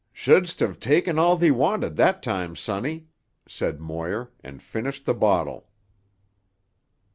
"Shouldst have taken all thee wanted that time, sonny," said Moir, and finished the bottle.